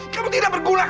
kamu tidak berguna kamu